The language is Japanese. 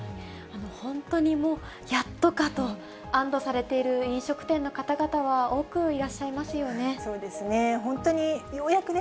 本当にもう、やっとかと、安どされている飲食店の方々は多くいらっしゃいますよね。